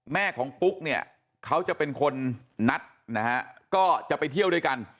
แม่ของปุ๊กเนี่ยเขาจะเป็นคนนัดนะฮะก็จะไปเที่ยวด้วยกัน